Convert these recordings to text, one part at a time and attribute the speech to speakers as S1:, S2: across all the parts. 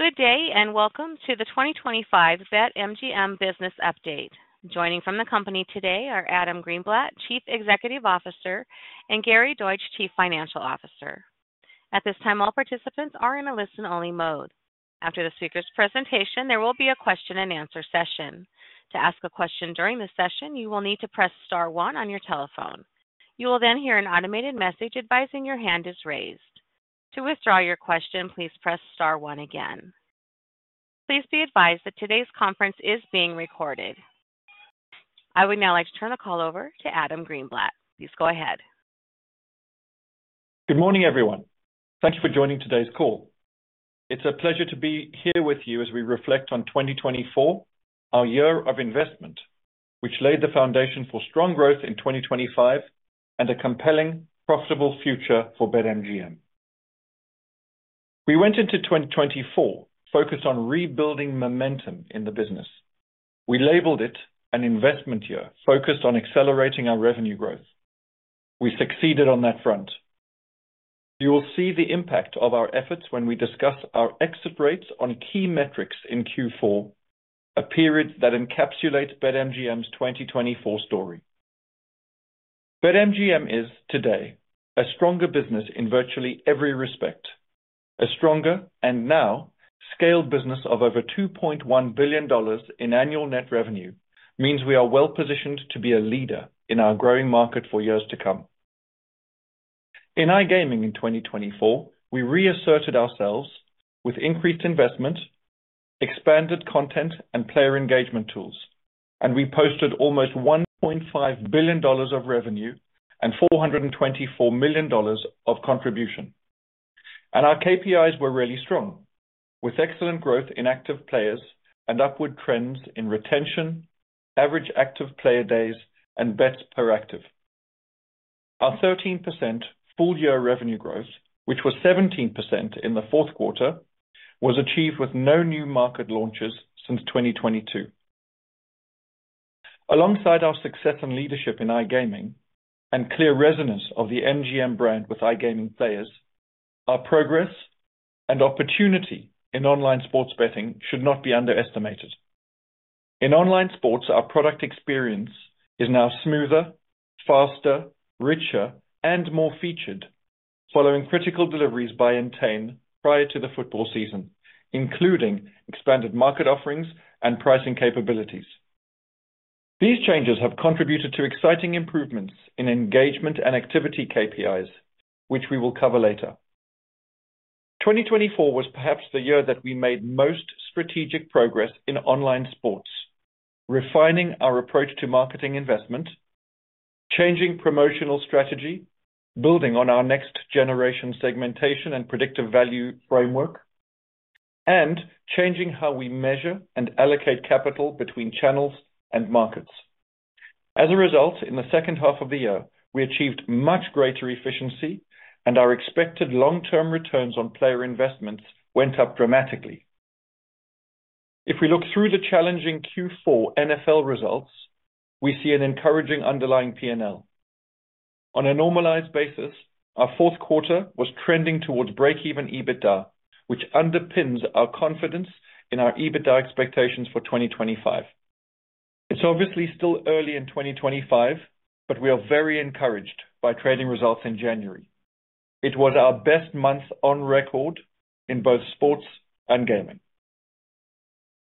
S1: Good day, and welcome to the 2025 BetMGM Business Update. Joining from the company today are Adam Greenblatt, Chief Executive Officer, and Gary Deutsch, Chief Financial Officer. At this time, all participants are in a listen-only mode. After the speaker's presentation, there will be a question-and-answer session. To ask a question during the session, you will need to press star one on your telephone. You will then hear an automated message advising your hand is raised. To withdraw your question, please press star one again. Please be advised that today's conference is being recorded. I would now like to turn the call over to Adam Greenblatt. Please go ahead.
S2: Good morning, everyone. Thank you for joining today's call. It's a pleasure to be here with you as we reflect on 2024, our year of investment, which laid the foundation for strong growth in 2025 and a compelling, profitable future for BetMGM. We went into 2024 focused on rebuilding momentum in the business. We labeled it an investment year focused on accelerating our revenue growth. We succeeded on that front. You will see the impact of our efforts when we discuss our exit rates on key metrics in Q4, a period that encapsulates BetMGM's 2024 story. BetMGM is, today, a stronger business in virtually every respect. A stronger, and now, scaled business of over $2.1 billion in annual net revenue means we are well-positioned to be a leader in our growing market for years to come. In iGaming in 2024, we reasserted ourselves with increased investment, expanded content, and player engagement tools, and we posted almost $1.5 billion of revenue and $424 million of contribution. And our KPIs were really strong, with excellent growth in active players and upward trends in retention, average active player days, and bets per active. Our 13% full-year revenue growth, which was 17% in the fourth quarter, was achieved with no new market launches since 2022. Alongside our success and leadership in iGaming and clear resonance of the MGM brand with iGaming players, our progress and opportunity in online sports betting should not be underestimated. In online sports, our product experience is now smoother, faster, richer, and more featured, following critical deliveries by Entain prior to the football season, including expanded market offerings and pricing capabilities. These changes have contributed to exciting improvements in engagement and activity KPIs, which we will cover later. 2024 was perhaps the year that we made most strategic progress in online sports, refining our approach to marketing investment, changing promotional strategy, building on our next-generation segmentation and predictive value framework, and changing how we measure and allocate capital between channels and markets. As a result, in the second half of the year, we achieved much greater efficiency, and our expected long-term returns on player investments went up dramatically. If we look through the challenging Q4 NFL results, we see an encouraging underlying P&L. On a normalized basis, our fourth quarter was trending towards break-even EBITDA, which underpins our confidence in our EBITDA expectations for 2025. It's obviously still early in 2025, but we are very encouraged by trading results in January. It was our best month on record in both sports and gaming.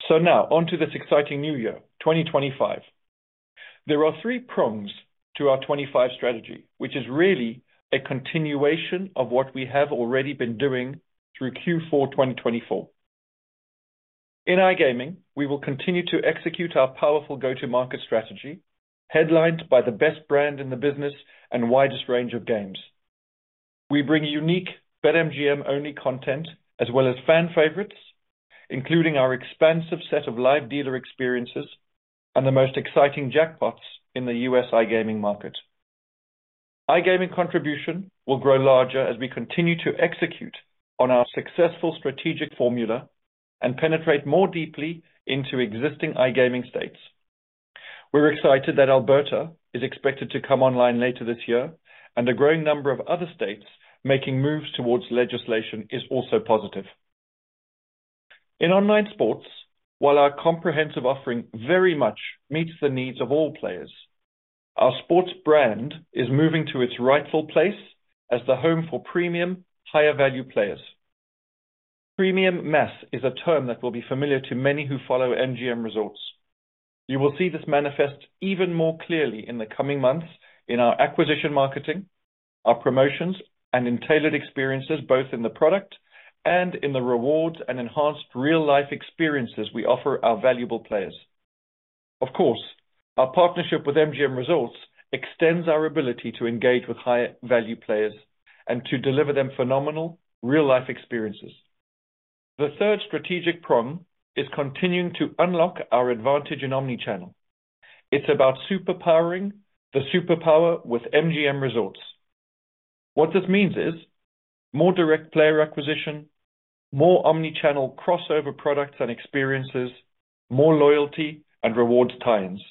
S2: So now, on to this exciting new year, 2025. There are three prongs to our 2025 strategy, which is really a continuation of what we have already been doing through Q4 2024. In iGaming, we will continue to execute our powerful go-to-market strategy, headlined by the best brand in the business and widest range of games. We bring unique BetMGM-only content as well as fan favorites, including our expansive set of live dealer experiences and the most exciting jackpots in the U.S. iGaming market. iGaming contribution will grow larger as we continue to execute on our successful strategic formula and penetrate more deeply into existing iGaming states. We're excited that Alberta is expected to come online later this year, and a growing number of other states making moves towards legislation is also positive. In online sports, while our comprehensive offering very much meets the needs of all players, our sports brand is moving to its rightful place as the home for premium, higher-value players. Premium mass is a term that will be familiar to many who follow MGM Resorts. You will see this manifest even more clearly in the coming months in our acquisition marketing, our promotions, and elite experiences both in the product and in the rewards and enhanced real-life experiences we offer our valuable players. Of course, our partnership with MGM Resorts extends our ability to engage with higher-value players and to deliver them phenomenal, real-life experiences. The third strategic prong is continuing to unlock our advantage in omnichannel. It's about superpowering the superpower with MGM Resorts. What this means is more direct player acquisition, more omnichannel crossover products and experiences, more loyalty and rewards tie-ins.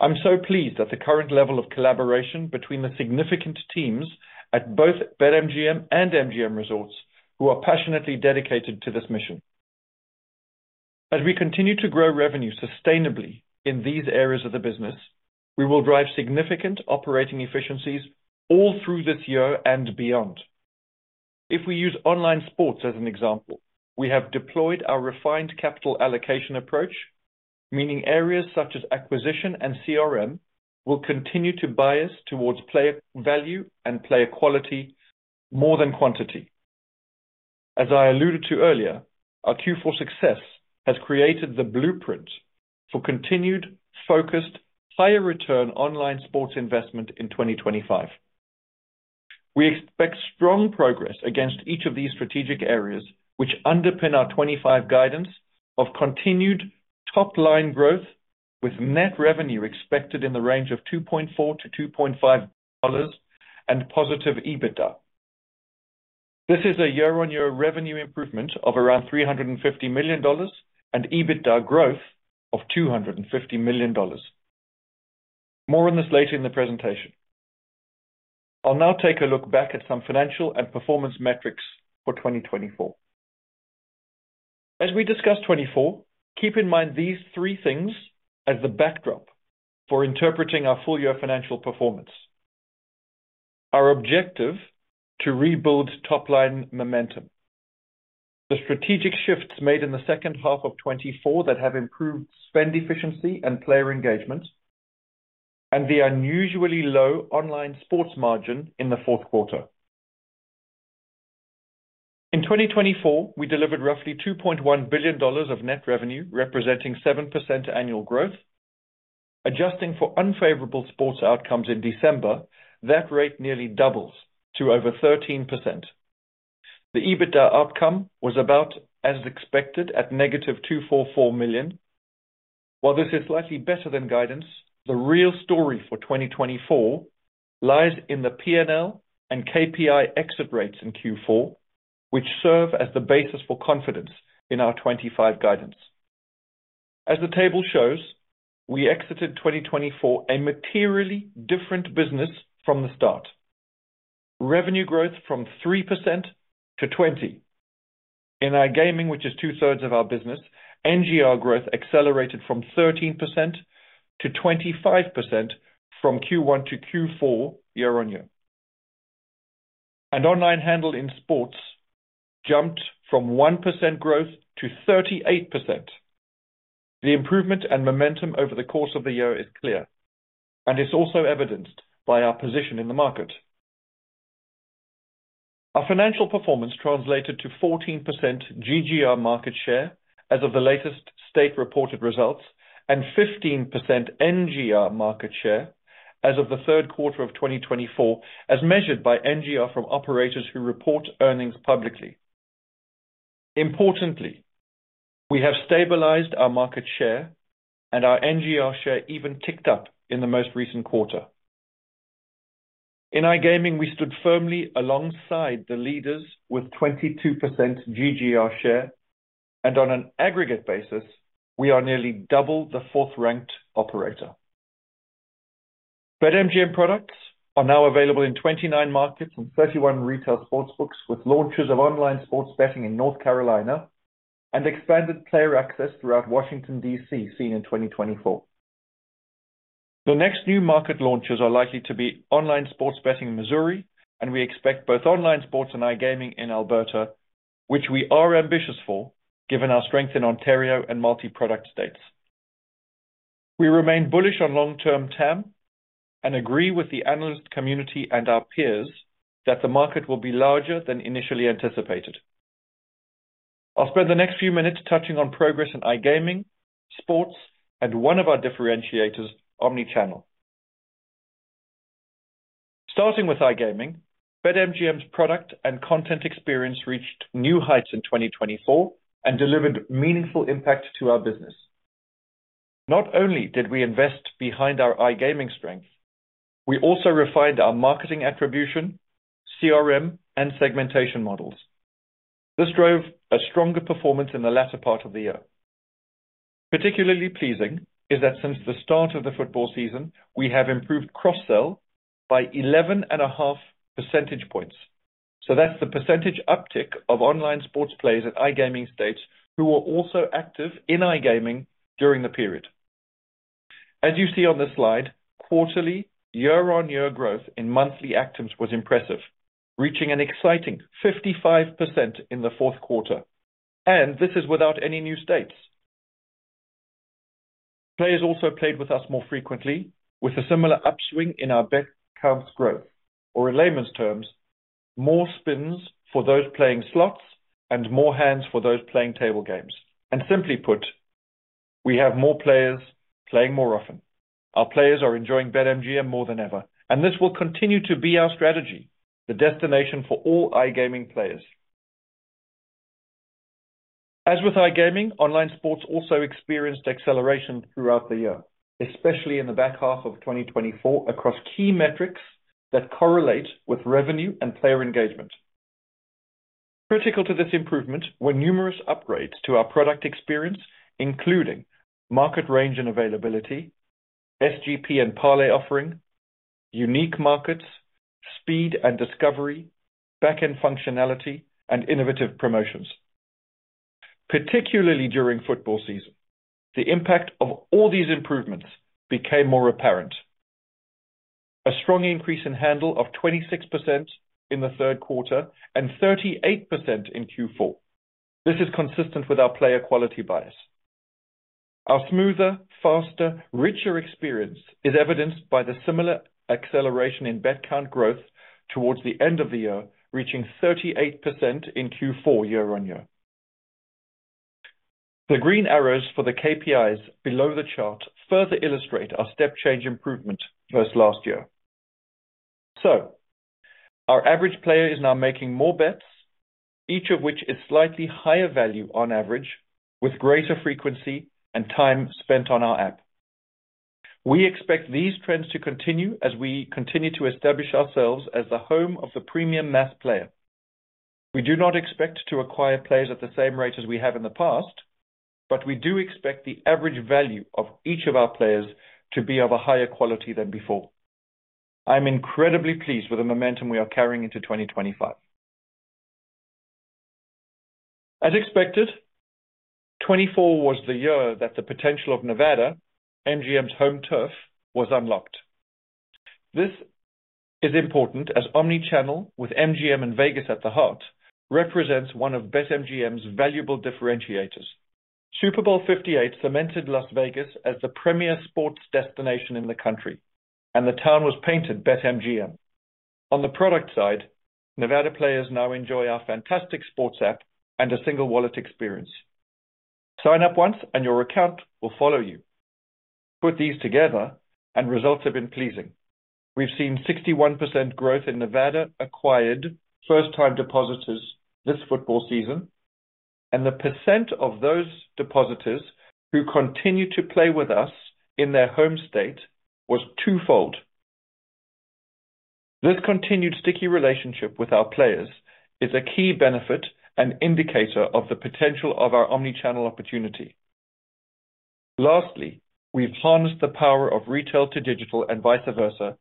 S2: I'm so pleased at the current level of collaboration between the significant teams at both BetMGM and MGM Resorts who are passionately dedicated to this mission. As we continue to grow revenue sustainably in these areas of the business, we will drive significant operating efficiencies all through this year and beyond. If we use online sports as an example, we have deployed our refined capital allocation approach, meaning areas such as acquisition and CRM will continue to bias towards player value and player quality more than quantity. As I alluded to earlier, our Q4 success has created the blueprint for continued, focused, higher-return online sports investment in 2025. We expect strong progress against each of these strategic areas, which underpin our 2025 guidance of continued top-line growth, with net revenue expected in the range of $2.4-$2.5 and positive EBITDA. This is a year-on-year revenue improvement of around $350 million and EBITDA growth of $250 million. More on this later in the presentation. I'll now take a look back at some financial and performance metrics for 2024. As we discuss 2024, keep in mind these three things as the backdrop for interpreting our full-year financial performance. Our objective: to rebuild top-line momentum. The strategic shifts made in the second half of 2024 that have improved spend efficiency and player engagement, and the unusually low online sports margin in the fourth quarter. In 2024, we delivered roughly $2.1 billion of net revenue, representing 7% annual growth. Adjusting for unfavorable sports outcomes in December, that rate nearly doubles to over 13%. The EBITDA outcome was about as expected at -$244 million. While this is slightly better than guidance, the real story for 2024 lies in the P&L and KPI exit rates in Q4, which serve as the basis for confidence in our 2025 guidance. As the table shows, we exited 2024 a materially different business from the start. Revenue growth from 3%-20%. In our gaming, which is two-thirds of our business, NGR growth accelerated from 13%-25% from Q1-Q4 year-on-year. And online handle in sports jumped from 1% growth to 38%. The improvement and momentum over the course of the year is clear, and it's also evidenced by our position in the market. Our financial performance translated to 14% GGR market share as of the latest state-reported results and 15% NGR market share as of the third quarter of 2024, as measured by NGR from operators who report earnings publicly. Importantly, we have stabilized our market share, and our NGR share even ticked up in the most recent quarter. In iGaming, we stood firmly alongside the leaders with 22% GGR share, and on an aggregate basis, we are nearly double the fourth-ranked operator. BetMGM products are now available in 29 markets and 31 retail sportsbooks with launches of online sports betting in North Carolina and expanded player access throughout Washington, D.C., seen in 2024. The next new market launches are likely to be online sports betting in Missouri, and we expect both online sports and iGaming in Alberta, which we are ambitious for given our strength in Ontario and multi-product states. We remain bullish on long-term TAM and agree with the analyst community and our peers that the market will be larger than initially anticipated. I'll spend the next few minutes touching on progress in iGaming, sports, and one of our differentiators, omnichannel. Starting with iGaming, BetMGM's product and content experience reached new heights in 2024 and delivered meaningful impact to our business. Not only did we invest behind our iGaming strength, we also refined our marketing attribution, CRM, and segmentation models. This drove a stronger performance in the latter part of the year. Particularly pleasing is that since the start of the football season, we have improved cross-sell by 11.5 percentage points. So that's the percentage uptick of online sports players at iGaming states who were also active in iGaming during the period. As you see on the slide, quarterly year-on-year growth in monthly actives was impressive, reaching an exciting 55% in the fourth quarter, and this is without any new states. Players also played with us more frequently, with a similar upswing in our bet count growth, or in layman's terms, more spins for those playing slots and more hands for those playing table games, and simply put, we have more players playing more often. Our players are enjoying BetMGM more than ever, and this will continue to be our strategy, the destination for all iGaming players. As with iGaming, online sports also experienced acceleration throughout the year, especially in the back half of 2024, across key metrics that correlate with revenue and player engagement. Critical to this improvement were numerous upgrades to our product experience, including market range and availability, SGP and parlay offering, unique markets, speed and discovery, back-end functionality, and innovative promotions. Particularly during football season, the impact of all these improvements became more apparent. A strong increase in handle of 26% in the third quarter and 38% in Q4. This is consistent with our player quality bias. Our smoother, faster, richer experience is evidenced by the similar acceleration in bet count growth towards the end of the year, reaching 38% in Q4 year-on-year. The green arrows for the KPIs below the chart further illustrate our step-change improvement versus last year. So, our average player is now making more bets, each of which is slightly higher value on average, with greater frequency and time spent on our app. We expect these trends to continue as we continue to establish ourselves as the home of the premium mass player. We do not expect to acquire players at the same rate as we have in the past, but we do expect the average value of each of our players to be of a higher quality than before. I'm incredibly pleased with the momentum we are carrying into 2025. As expected, 2024 was the year that the potential of Nevada, MGM's home turf, was unlocked. This is important as omnichannel, with MGM in Vegas at the heart, represents one of BetMGM's valuable differentiators. Super Bowl LVIII cemented Las Vegas as the premier sports destination in the country, and the town was painted BetMGM. On the product side, Nevada players now enjoy our fantastic sports app and a single-wallet experience. Sign up once, and your account will follow you. Put these together, and results have been pleasing. We've seen 61% growth in Nevada acquired first-time depositors this football season, and the percent of those depositors who continue to play with us in their home state was twofold. This continued sticky relationship with our players is a key benefit and indicator of the potential of our omnichannel opportunity. Lastly, we've harnessed the power of retail to digital and vice versa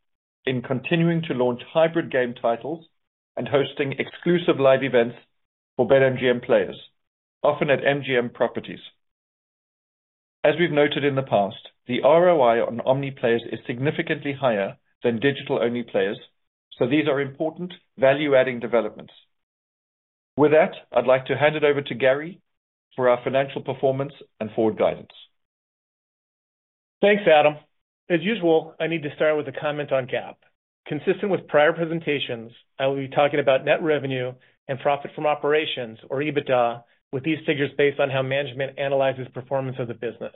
S2: in continuing to launch hybrid game titles and hosting exclusive live events for BetMGM players, often at MGM properties. As we've noted in the past, the ROI on omni players is significantly higher than digital-only players, so these are important value-adding developments. With that, I'd like to hand it over to Gary for our financial performance and forward guidance.
S3: Thanks, Adam. As usual, I need to start with a comment on GAAP. Consistent with prior presentations, I will be talking about net revenue and profit from operations, or EBITDA, with these figures based on how management analyzes performance of the business.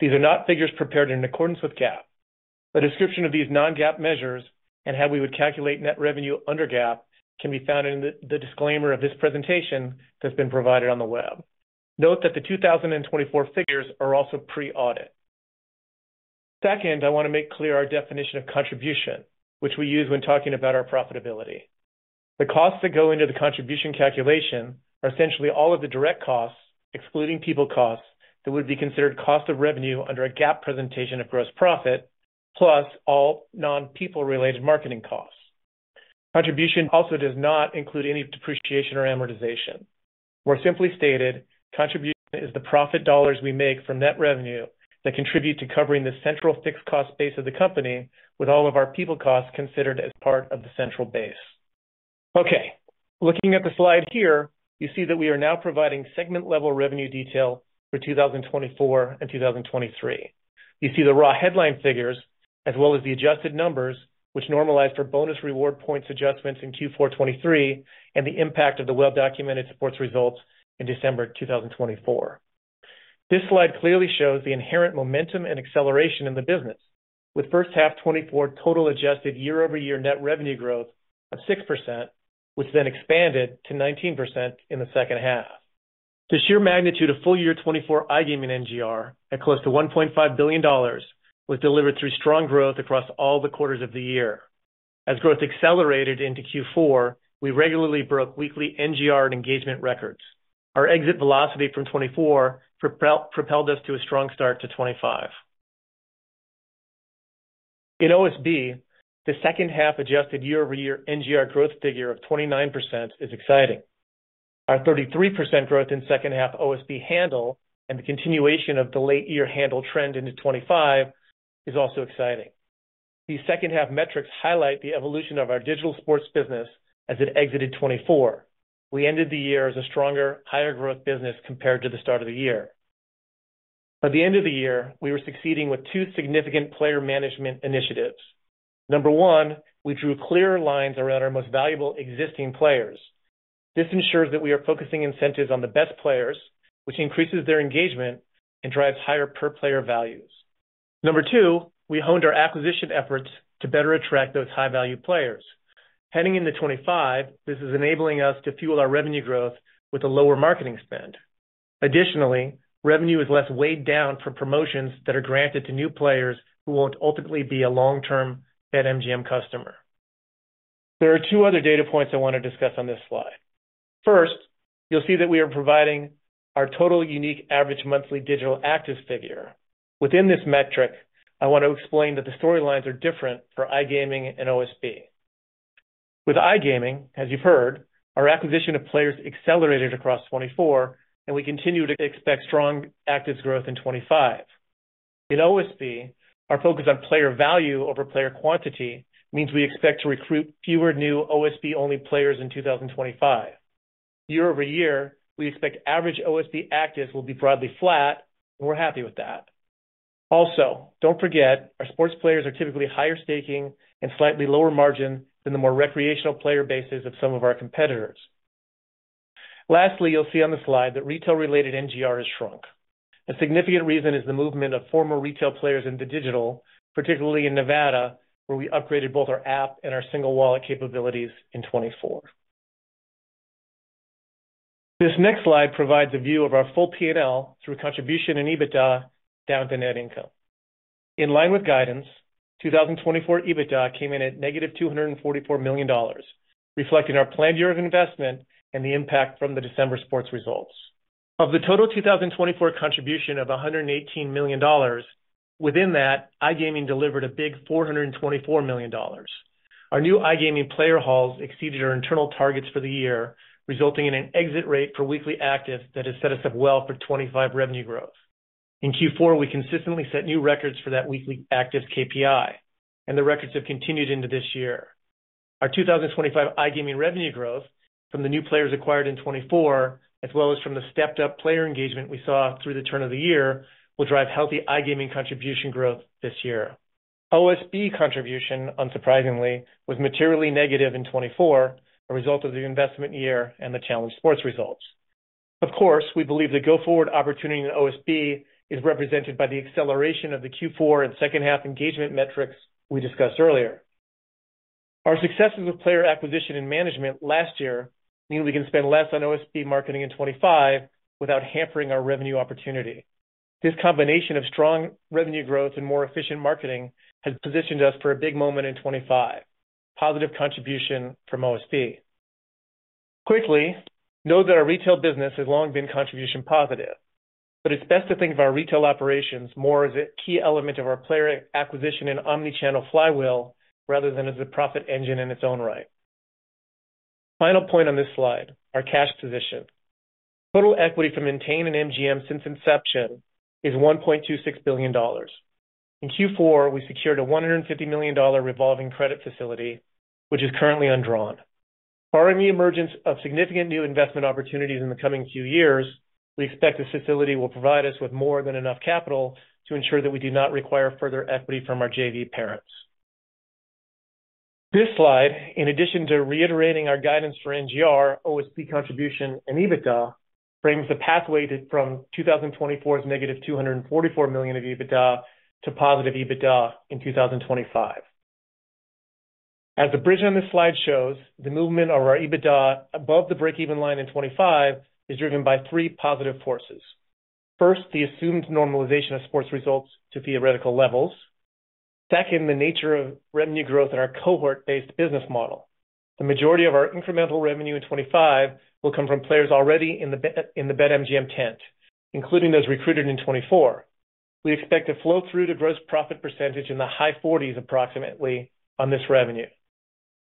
S3: These are not figures prepared in accordance with GAAP. A description of these non-GAAP measures and how we would calculate net revenue under GAAP can be found in the disclaimer of this presentation that's been provided on the web. Note that the 2024 figures are also pre-audit. Second, I want to make clear our definition of contribution, which we use when talking about our profitability. The costs that go into the contribution calculation are essentially all of the direct costs, excluding people costs, that would be considered cost of revenue under a GAAP presentation of gross profit, plus all non-people-related marketing costs. Contribution also does not include any depreciation or amortization. More simply stated, contribution is the profit dollars we make from net revenue that contribute to covering the central fixed cost base of the company, with all of our people costs considered as part of the central base. Okay. Looking at the slide here, you see that we are now providing segment-level revenue detail for 2024 and 2023. You see the raw headline figures, as well as the adjusted numbers, which normalize for bonus reward points adjustments in Q4 2023 and the impact of the well-documented sports results in December 2024. This slide clearly shows the inherent momentum and acceleration in the business, with first half 2024 total adjusted year-over-year net revenue growth of 6%, which then expanded to 19% in the second half. The sheer magnitude of full-year 2024 iGaming NGR, at close to $1.5 billion, was delivered through strong growth across all the quarters of the year. As growth accelerated into Q4, we regularly broke weekly NGR and engagement records. Our exit velocity from 2024 propelled us to a strong start to 2025. In OSB, the second-half adjusted year-over-year NGR growth figure of 29% is exciting. Our 33% growth in second-half OSB handle and the continuation of the late-year handle trend into 2025 is also exciting. These second-half metrics highlight the evolution of our digital sports business as it exited 2024. We ended the year as a stronger, higher-growth business compared to the start of the year. By the end of the year, we were succeeding with two significant player management initiatives. Number one, we drew clearer lines around our most valuable existing players. This ensures that we are focusing incentives on the best players, which increases their engagement and drives higher per-player values. Number two, we honed our acquisition efforts to better attract those high-value players. Heading into 2025, this is enabling us to fuel our revenue growth with a lower marketing spend. Additionally, revenue is less weighed down for promotions that are granted to new players who will ultimately be a long-term BetMGM customer. There are two other data points I want to discuss on this slide. First, you'll see that we are providing our total unique average monthly digital active figure. Within this metric, I want to explain that the storylines are different for iGaming and OSB. With iGaming, as you've heard, our acquisition of players accelerated across 2024, and we continue to expect strong active growth in 2025. In OSB, our focus on player value over player quantity means we expect to recruit fewer new OSB-only players in 2025. Year-over-year, we expect average OSB active will be broadly flat, and we're happy with that. Also, don't forget, our sports players are typically higher staking and slightly lower margin than the more recreational player bases of some of our competitors. Lastly, you'll see on the slide that retail-related NGR has shrunk. A significant reason is the movement of former retail players into digital, particularly in Nevada, where we upgraded both our app and our single-wallet capabilities in 2024. This next slide provides a view of our full P&L through contribution and EBITDA down to net income. In line with guidance, 2024 EBITDA came in at -$244 million, reflecting our planned year of investment and the impact from the December sports results. Of the total 2024 contribution of $118 million, within that, iGaming delivered a big $424 million. Our new iGaming player hauls exceeded our internal targets for the year, resulting in an exit rate for weekly active that has set us up well for 2025 revenue growth. In Q4, we consistently set new records for that weekly active KPI, and the records have continued into this year. Our 2025 iGaming revenue growth from the new players acquired in 2024, as well as from the stepped-up player engagement we saw through the turn of the year, will drive healthy iGaming contribution growth this year. OSB contribution, unsurprisingly, was materially negative in 2024, a result of the investment year and the challenge sports results. Of course, we believe the go-forward opportunity in OSB is represented by the acceleration of the Q4 and second-half engagement metrics we discussed earlier. Our successes with player acquisition and management last year mean we can spend less on OSB marketing in 2025 without hampering our revenue opportunity. This combination of strong revenue growth and more efficient marketing has positioned us for a big moment in 2025. Positive contribution from OSB. Quickly, know that our retail business has long been contribution positive, but it's best to think of our retail operations more as a key element of our player acquisition and omnichannel flywheel rather than as a profit engine in its own right. Final point on this slide: our cash position. Total equity for maintaining MGM since inception is $1.26 billion. In Q4, we secured a $150 million revolving credit facility, which is currently undrawn. Barring the emergence of significant new investment opportunities in the coming few years, we expect this facility will provide us with more than enough capital to ensure that we do not require further equity from our JV parents. This slide, in addition to reiterating our guidance for NGR, OSB contribution, and EBITDA, frames the pathway from 2024's -$244 million of EBITDA to positive EBITDA in 2025. As the bridge on this slide shows, the movement of our EBITDA above the break-even line in 2025 is driven by three positive forces. First, the assumed normalization of sports results to theoretical levels. Second, the nature of revenue growth in our cohort-based business model. The majority of our incremental revenue in 2025 will come from players already in the BetMGM tent, including those recruited in 2024. We expect a flow-through to gross profit percentage in the high 40s approximately on this revenue.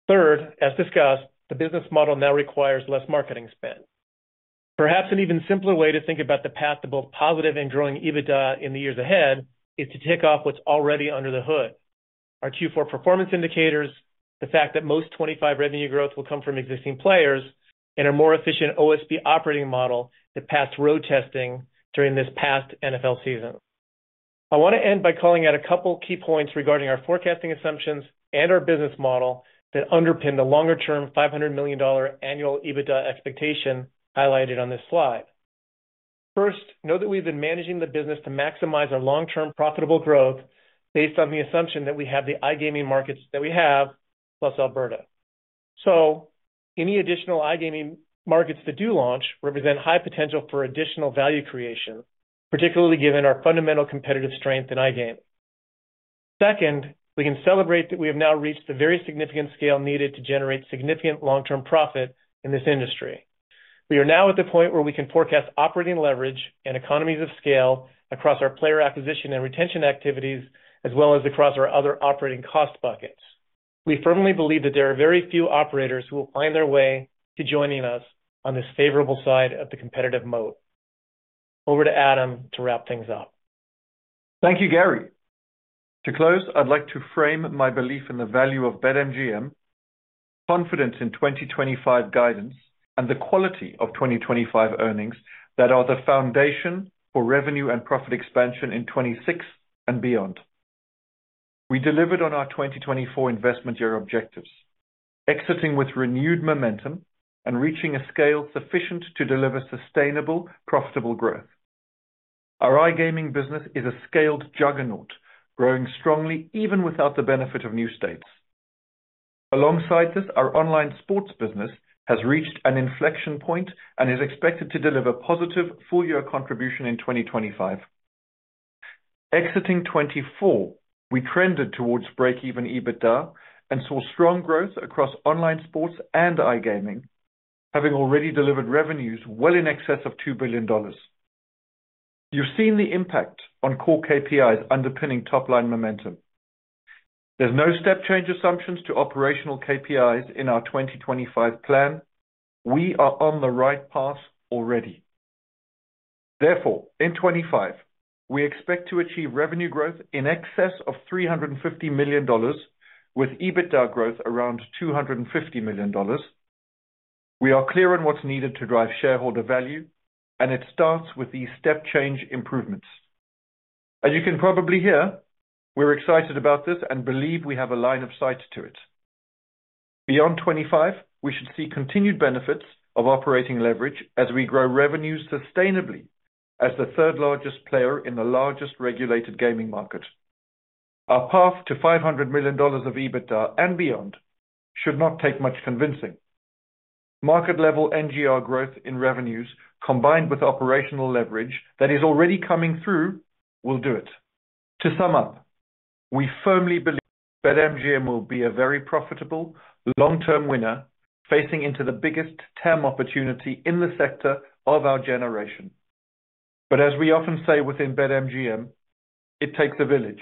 S3: Third, as discussed, the business model now requires less marketing spend. Perhaps an even simpler way to think about the path to both positive and growing EBITDA in the years ahead is to tick off what's already under the hood: our Q4 performance indicators, the fact that most 2025 revenue growth will come from existing players, and our more efficient OSB operating model that passed road testing during this past NFL season. I want to end by calling out a couple of key points regarding our forecasting assumptions and our business model that underpin the longer-term $500 million annual EBITDA expectation highlighted on this slide. First, know that we've been managing the business to maximize our long-term profitable growth based on the assumption that we have the iGaming markets that we have plus Alberta. So, any additional iGaming markets that do launch represent high potential for additional value creation, particularly given our fundamental competitive strength in iGaming. Second, we can celebrate that we have now reached the very significant scale needed to generate significant long-term profit in this industry. We are now at the point where we can forecast operating leverage and economies of scale across our player acquisition and retention activities, as well as across our other operating cost buckets. We firmly believe that there are very few operators who will find their way to joining us on this favorable side of the competitive mode. Over to Adam to wrap things up.
S2: Thank you, Gary. To close, I'd like to frame my belief in the value of BetMGM, confidence in 2025 guidance, and the quality of 2025 earnings that are the foundation for revenue and profit expansion in 2026 and beyond. We delivered on our 2024 investment year objectives, exiting with renewed momentum and reaching a scale sufficient to deliver sustainable, profitable growth. Our iGaming business is a scaled juggernaut, growing strongly even without the benefit of new states. Alongside this, our online sports business has reached an inflection point and is expected to deliver positive full-year contribution in 2025. Exiting 2024, we trended towards break-even EBITDA and saw strong growth across online sports and iGaming, having already delivered revenues well in excess of $2 billion. You've seen the impact on core KPIs underpinning top-line momentum. There's no step-change assumptions to operational KPIs in our 2025 plan. We are on the right path already. Therefore, in 2025, we expect to achieve revenue growth in excess of $350 million, with EBITDA growth around $250 million. We are clear on what's needed to drive shareholder value, and it starts with these step-change improvements. As you can probably hear, we're excited about this and believe we have a line of sight to it. Beyond 2025, we should see continued benefits of operating leverage as we grow revenues sustainably as the third-largest player in the largest regulated gaming market. Our path to $500 million of EBITDA and beyond should not take much convincing. Market-level NGR growth in revenues, combined with operational leverage that is already coming through, will do it. To sum up, we firmly believe BetMGM will be a very profitable, long-term winner facing into the biggest TAM opportunity in the sector of our generation. But as we often say within BetMGM, it takes a village,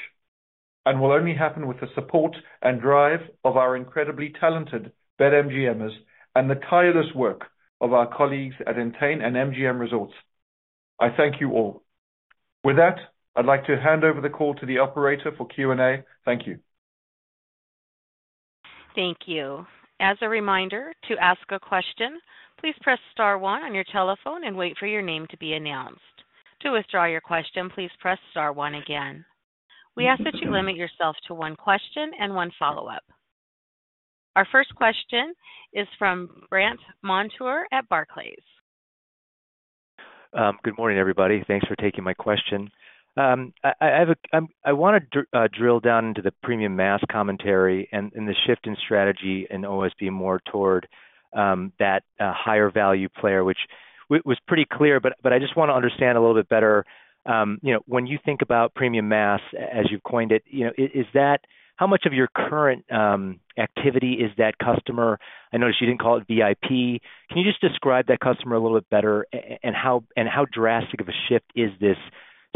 S2: and will only happen with the support and drive of our incredibly talented BetMGMers and the tireless work of our colleagues at Entain and MGM Resorts. I thank you all. With that, I'd like to hand over the call to the operator for Q&A. Thank you.
S1: Thank you. As a reminder, to ask a question, please press star one on your telephone and wait for your name to be announced. To withdraw your question, please press star one again. We ask that you limit yourself to one question and one follow-up. Our first question is from Brant Montour at Barclays.
S4: Good morning, everybody. Thanks for taking my question. I want to drill down into the premium mass commentary and the shift in strategy in OSB more toward that higher-value player, which was pretty clear, but I just want to understand a little bit better. When you think about premium mass, as you've coined it, how much of your current activity is that customer? I noticed you didn't call it VIP. Can you just describe that customer a little bit better, and how drastic of a shift is this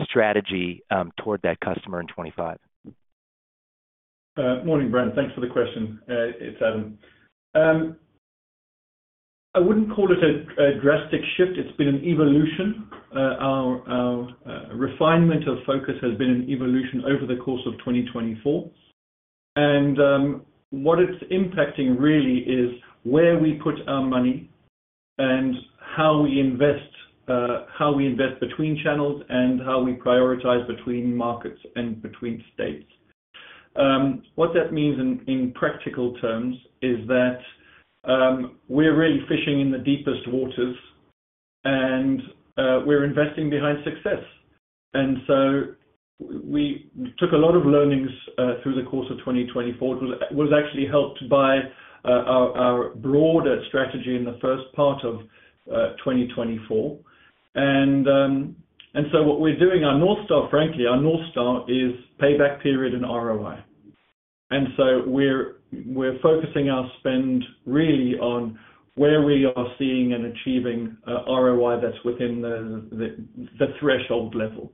S4: strategy toward that customer in 2025?
S2: Morning, Brant. Thanks for the question. It's Adam. I wouldn't call it a drastic shift. It's been an evolution. Our refinement of focus has been an evolution over the course of 2024, and what it's impacting really is where we put our money and how we invest, how we invest between channels, and how we prioritize between markets and between states. What that means in practical terms is that we're really fishing in the deepest waters, and we're investing behind success, and so we took a lot of learnings through the course of 2024. It was actually helped by our broader strategy in the first part of 2024, and so what we're doing, our North Star, frankly, our North Star is payback period and ROI, and so we're focusing our spend really on where we are seeing and achieving ROI that's within the threshold level.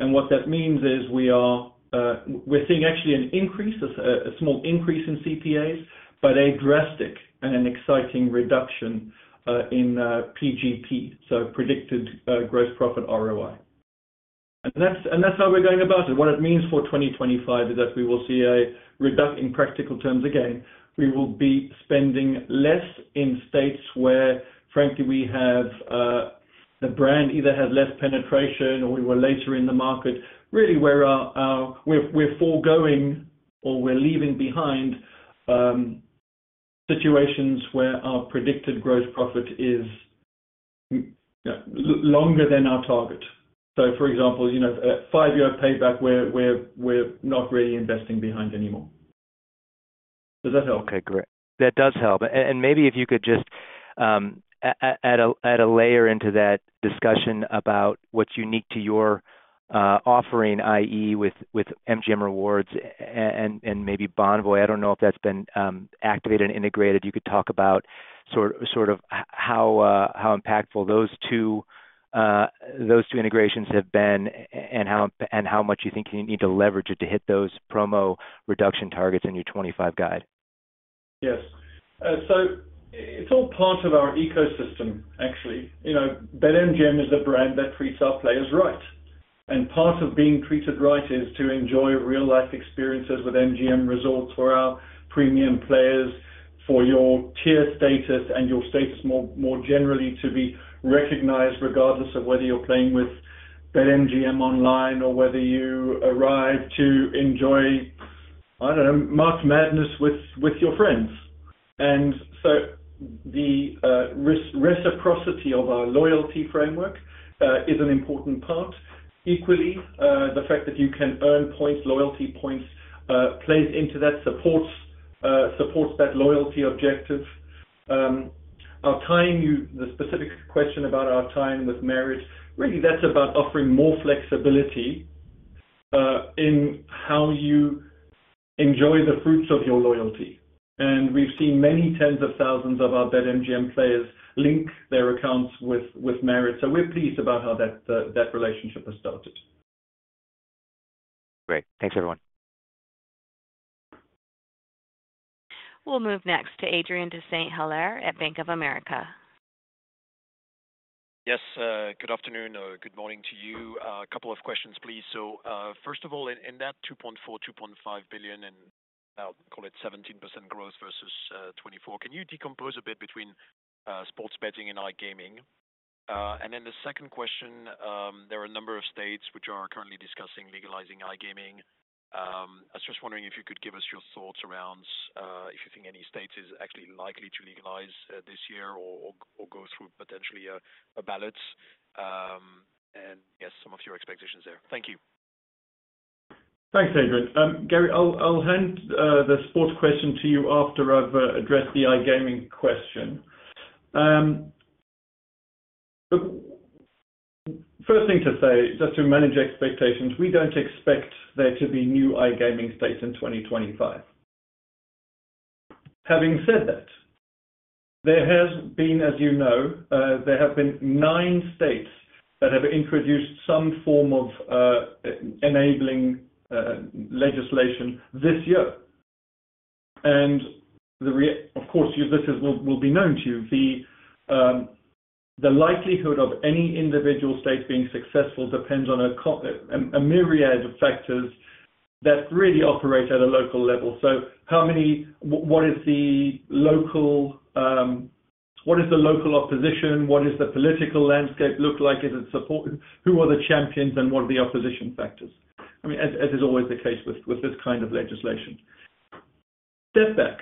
S2: And what that means is we're seeing actually a small increase in CPAs, but a drastic and exciting reduction in PGP, so predicted gross profit ROI. And that's how we're going about it. What it means for 2025 is that we will see a reduction in practical terms again. We will be spending less in states where, frankly, the brand either has less penetration or we were later in the market, really where we're foregoing or we're leaving behind situations where our predicted gross profit is longer than our target. So, for example, at five-year payback, we're not really investing behind anymore. Does that help?
S4: Okay, great. That does help. And maybe if you could just add a layer into that discussion about what's unique to your offering, i.e., with MGM Rewards and maybe Bonvoy. I don't know if that's been activated and integrated. You could talk about sort of how impactful those two integrations have been and how much you think you need to leverage it to hit those promo reduction targets in your 2025 guide.
S2: Yes. So it's all part of our ecosystem, actually. BetMGM is a brand that treats our players right. And part of being treated right is to enjoy real-life experiences with MGM Resorts for our premium players, for your tier status and your status more generally to be recognized regardless of whether you're playing with BetMGM online or whether you arrive to enjoy, I don't know, March Madness with your friends. And so the reciprocity of our loyalty framework is an important part. Equally, the fact that you can earn points, loyalty points, plays into that, supports that loyalty objective. The specific question about our time with Marriott, really, that's about offering more flexibility in how you enjoy the fruits of your loyalty. And we've seen many tens of thousands of our BetMGM players link their accounts with Marriott. So we're pleased about how that relationship has started.
S4: Great. Thanks, everyone.
S1: We'll move next to Adrien de Saint-Hilaire at Bank of America.
S5: Yes. Good afternoon or good morning to you. A couple of questions, please. So first of all, in that $2.4 billion-$2.5 billion, and I'll call it 17% growth versus 2024, can you decompose a bit between sports betting and iGaming? And then the second question, there are a number of states which are currently discussing legalizing iGaming. I was just wondering if you think any state is actually likely to legalize this year or go through potentially a ballot. Yes, some of your expectations there. Thank you.
S2: Thanks, Adrian. Gary, I'll hand the sports question to you after I've addressed the iGaming question. First thing to say, just to manage expectations, we don't expect there to be new iGaming states in 2025. Having said that, there has been, as you know, there have been nine states that have introduced some form of enabling legislation this year. And of course, this will be known to you. The likelihood of any individual state being successful depends on a myriad of factors that really operate at a local level. So what is the local opposition? What does the political landscape look like? Who are the champions and what are the opposition factors? I mean, as is always the case with this kind of legislation. Step back.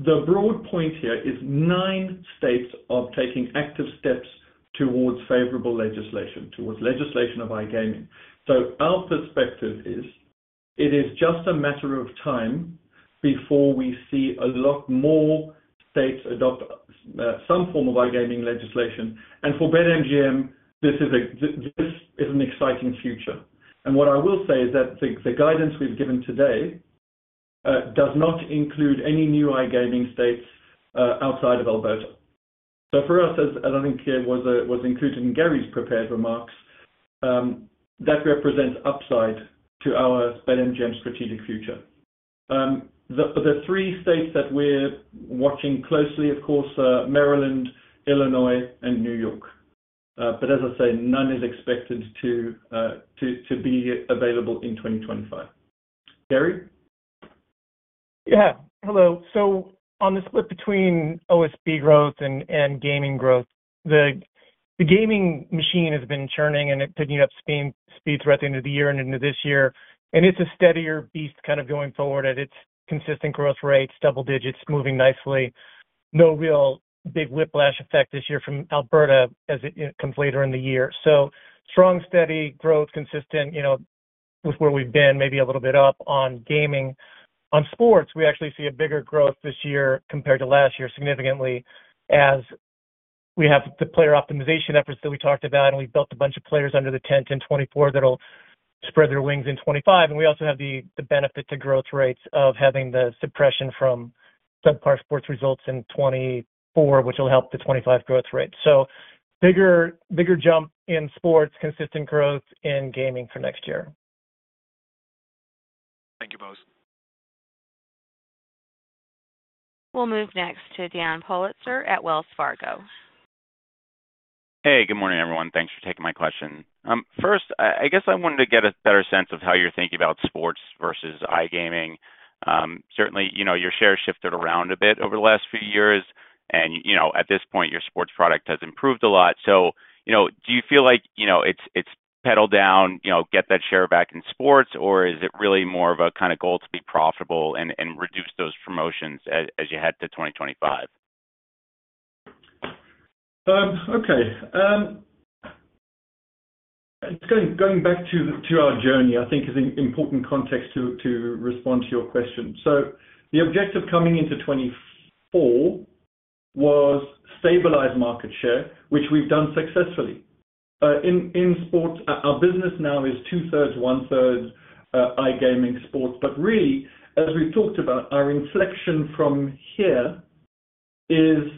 S2: The broad point here is nine states are taking active steps towards favorable legislation, towards legislation of iGaming. Our perspective is it is just a matter of time before we see a lot more states adopt some form of iGaming legislation. For BetMGM, this is an exciting future. What I will say is that the guidance we've given today does not include any new iGaming states outside of Alberta. For us, as I think was included in Gary's prepared remarks, that represents upside to our BetMGM strategic future. The three states that we're watching closely, of course, Maryland, Illinois, and New York. But as I say, none is expected to be available in 2025. Gary?
S3: Yeah. Hello. On the split between OSB growth and gaming growth, the gaming machine has been churning and picking up speed throughout the end of the year and into this year. It is a steadier beast kind of going forward at its consistent growth rates, double digits, moving nicely. No real big whiplash effect this year from Alberta as it comes later in the year. Strong, steady growth, consistent with where we've been, maybe a little bit up on gaming. On sports, we actually see a bigger growth this year compared to last year significantly as we have the player optimization efforts that we talked about, and we've built a bunch of players under the tent in 2024 that'll spread their wings in 2025. We also have the benefit to growth rates of having the suppression from subpar sports results in 2024, which will help the 2025 growth rate. Bigger jump in sports, consistent growth in gaming for next year.
S5: Thank you both.
S1: We'll move next to Dan Politzer at Wells Fargo.
S6: Hey, good morning, everyone. Thanks for taking my question. First, I guess I wanted to get a better sense of how you're thinking about sports versus iGaming. Certainly, your share shifted around a bit over the last few years, and at this point, your sports product has improved a lot. Do you feel like it's pedaled down, get that share back in sports, or is it really more of a kind of goal to be profitable and reduce those promotions as you head to 2025?
S2: Okay. Going back to our journey, I think, is an important context to respond to your question. The objective coming into 2024 was stabilize market share, which we've done successfully. In sports, our business now is two-thirds, one-third iGaming sports. But really, as we've talked about, our inflection from here is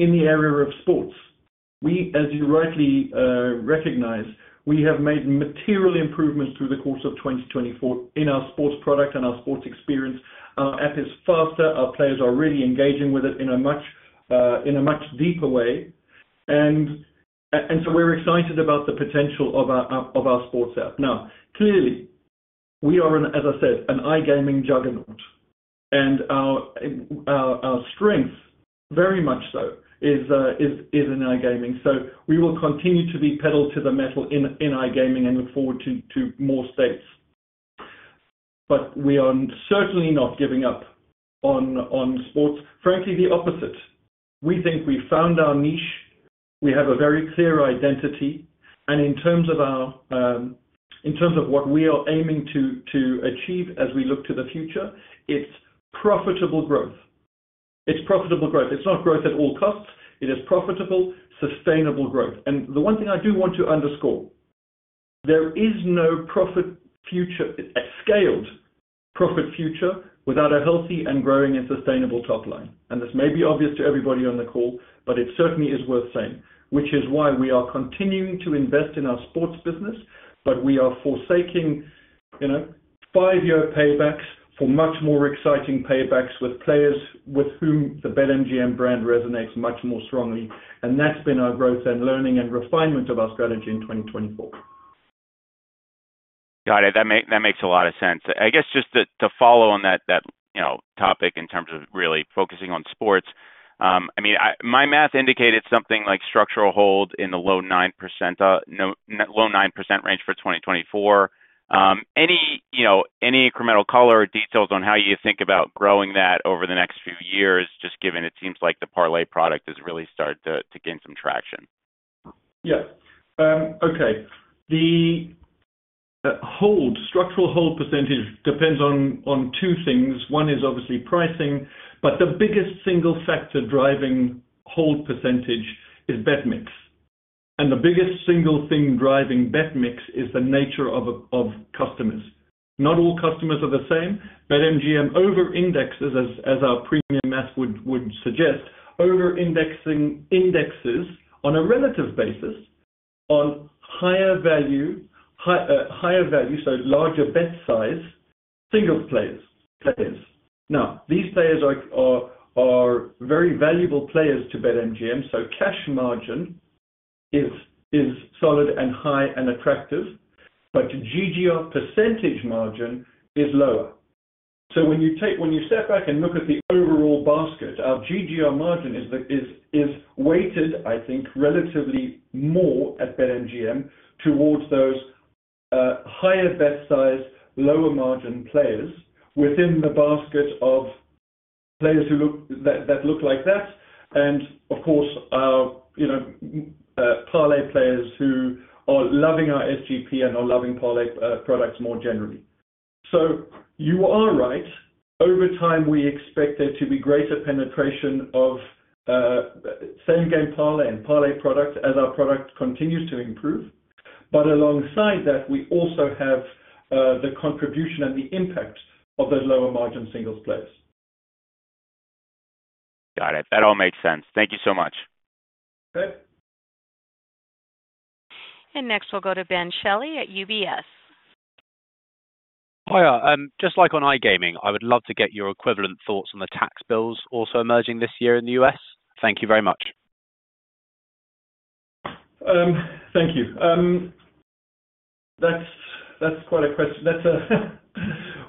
S2: in the area of sports. As you rightly recognize, we have made material improvements through the course of 2024 in our sports product and our sports experience. Our app is faster. Our players are really engaging with it in a much deeper way. And so we're excited about the potential of our sports app. Now, clearly, we are, as I said, an iGaming juggernaut. And our strength, very much so, is in iGaming. So we will continue to be pedal to the metal in iGaming and look forward to more states. But we are certainly not giving up on sports. Frankly, the opposite. We think we found our niche. We have a very clear identity. In terms of what we are aiming to achieve as we look to the future, it's profitable growth. It's profitable growth. It's not growth at all costs. It is profitable, sustainable growth. The one thing I do want to underscore, there is no profit future, a scaled profit future without a healthy and growing and sustainable top line. This may be obvious to everybody on the call, but it certainly is worth saying, which is why we are continuing to invest in our sports business, but we are forsaking five-year paybacks for much more exciting paybacks with players with whom the BetMGM brand resonates much more strongly. That's been our growth and learning and refinement of our strategy in 2024.
S6: Got it. That makes a lot of sense. I guess just to follow on that topic in terms of really focusing on sports, I mean, my math indicated something like structural hold in the low 9% range for 2024. Any incremental color or details on how you think about growing that over the next few years, just given it seems like the parlay product has really started to gain some traction?
S2: Yes. Okay. The structural hold percentage depends on two things. One is obviously pricing, but the biggest single factor driving hold percentage is bet mix. And the biggest single thing driving bet mix is the nature of customers. Not all customers are the same. BetMGM over-indexes, as our premium mass would suggest, over-indexes on a relative basis on higher value, so larger bet size single players. Now, these players are very valuable players to BetMGM. So cash margin is solid and high and attractive, but GGR percentage margin is lower. So when you step back and look at the overall basket, our GGR margin is weighted, I think, relatively more at BetMGM towards those higher bet size, lower margin players within the basket of players that look like that. And of course, our parlay players who are loving our SGP and are loving parlay products more generally. So you are right. Over time, we expect there to be greater penetration of Same Game Parlay and parlay product as our product continues to improve. But alongside that, we also have the contribution and the impact of those lower margin single players.
S6: Got it. That all makes sense. Thank you so much.
S2: Okay.
S1: And next, we'll go to Ben Shelley at UBS.
S7: Hiya. Just like on iGaming, I would love to get your equivalent thoughts on the tax bills also emerging this year in the U.S. Thank you very much.
S2: Thank you. That's quite a question.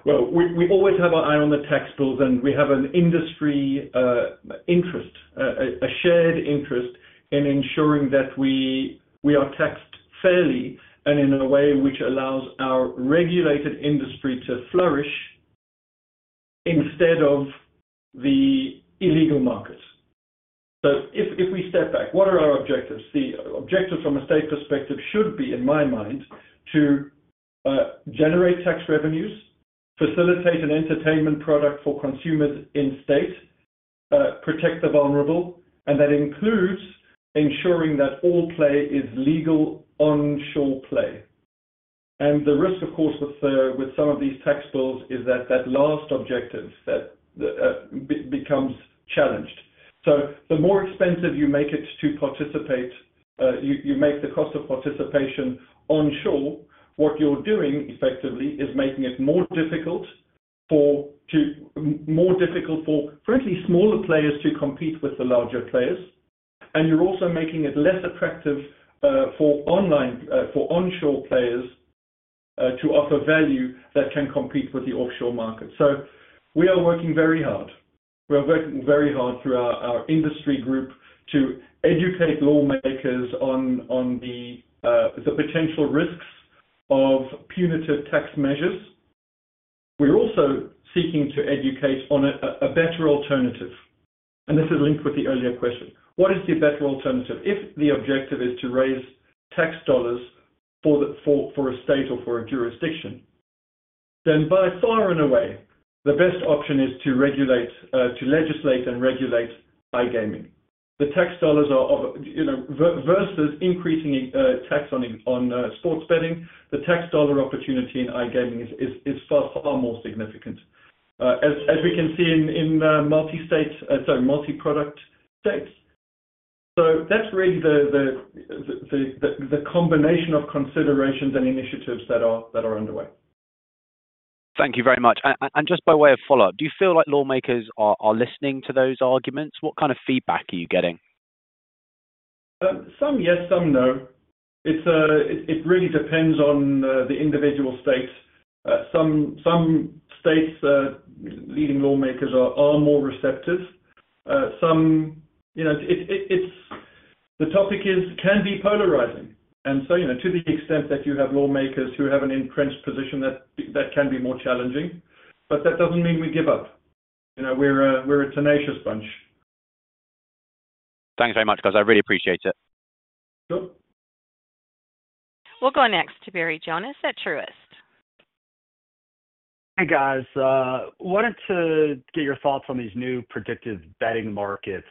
S2: Well, we always have our eye on the tax bills, and we have an industry interest, a shared interest in ensuring that we are taxed fairly and in a way which allows our regulated industry to flourish instead of the illegal markets. So if we step back, what are our objectives? The objectives from a state perspective should be, in my mind, to generate tax revenues, facilitate an entertainment product for consumers in state, protect the vulnerable, and that includes ensuring that all play is legal onshore play. And the risk, of course, with some of these tax bills is that that last objective becomes challenged. The more expensive you make it to participate, you make the cost of participation onshore. What you're doing effectively is making it more difficult for, frankly, smaller players to compete with the larger players. You're also making it less attractive for onshore players to offer value that can compete with the offshore market. We are working very hard. We are working very hard through our industry group to educate lawmakers on the potential risks of punitive tax measures. We're also seeking to educate on a better alternative. This is linked with the earlier question. What is the better alternative? If the objective is to raise tax dollars for a state or for a jurisdiction, then by far and away, the best option is to legislate and regulate iGaming. The tax dollars are versus increasing tax on sports betting, the tax dollar opportunity in iGaming is far, far more significant, as we can see in multi-state, sorry, multi-product states, so that's really the combination of considerations and initiatives that are underway.
S7: Thank you very much, and just by way of follow-up, do you feel like lawmakers are listening to those arguments? What kind of feedback are you getting?
S2: Some, yes. Some, no. It really depends on the individual states. Some states, leading lawmakers are more receptive. The topic can be polarizing, and so to the extent that you have lawmakers who have an entrenched position, that can be more challenging, but that doesn't mean we give up. We're a tenacious bunch.
S7: Thanks very much, guys. I really appreciate it.
S2: Sure.
S1: We'll go next to Barry Jonas at Truist.
S8: Hey, guys. I wanted to get your thoughts on these new predictive betting markets.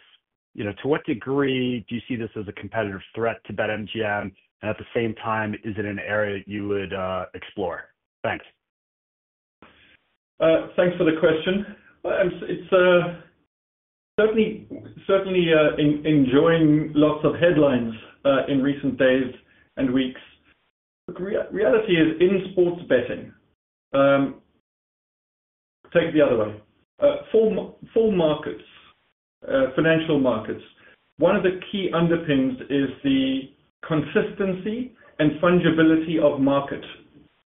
S8: To what degree do you see this as a competitive threat to BetMGM? And at the same time, is it an area you would explore? Thanks.
S2: Thanks for the question. It's certainly enjoying lots of headlines in recent days and weeks, but the reality is in sports betting, take the other way, full markets, financial markets, one of the key underpins is the consistency and fungibility of market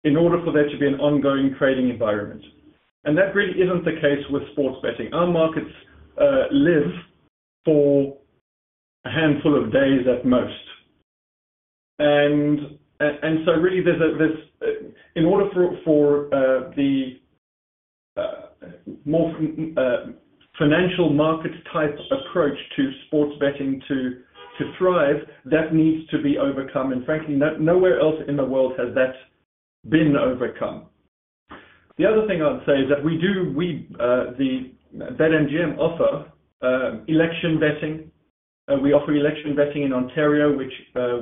S2: in order for there to be an ongoing trading environment, and that really isn't the case with sports betting. Our markets live for a handful of days at most, and so really, in order for the more financial market-type approach to sports betting to thrive, that needs to be overcome, and frankly, nowhere else in the world has that been overcome. The other thing I'd say is that we do, BetMGM, offer election betting. We offer election betting in Ontario,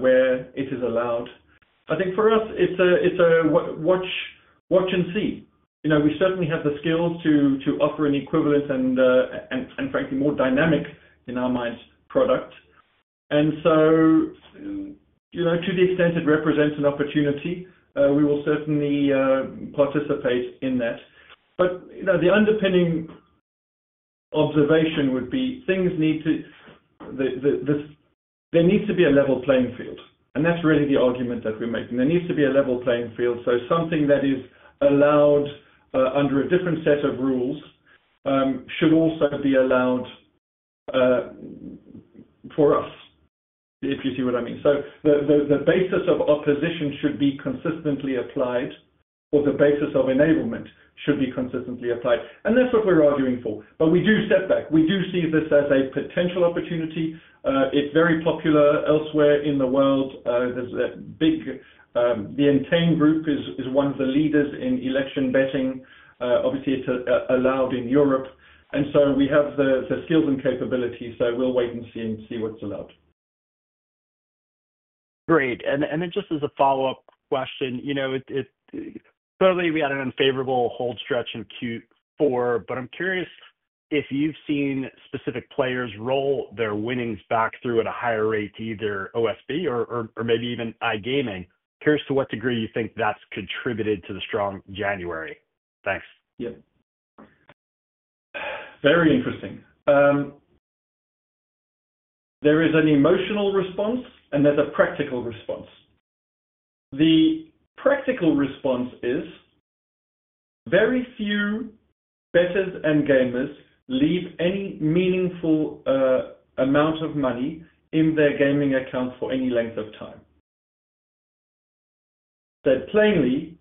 S2: where it is allowed. I think for us, it's a wait and see. We certainly have the skills to offer an equivalent and, frankly, more dynamic in our minds product, and so to the extent it represents an opportunity, we will certainly participate in that. But the underpinning observation would be there needs to be a level playing field, and that's really the argument that we're making. There needs to be a level playing field, so something that is allowed under a different set of rules should also be allowed for us, if you see what I mean. So the basis of opposition should be consistently applied, or the basis of enablement should be consistently applied, and that's what we're arguing for, but we do step back. We do see this as a potential opportunity. It's very popular elsewhere in the world. The Entain Group is one of the leaders in election betting. Obviously, it's allowed in Europe. And so we have the skills and capabilities. So we'll wait and see what's allowed.
S8: Great. And just as a follow-up question, clearly, we had an unfavorable hold stretch in Q4, but I'm curious if you've seen specific players roll their winnings back through at a higher rate, either OSB or maybe even iGaming. Curious to what degree you think that's contributed to the strong January. Thanks.
S2: Yeah. Very interesting. There is an emotional response, and there's a practical response. The practical response is very few bettors and gamers leave any meaningful amount of money in their gaming accounts for any length of time. That, plainly,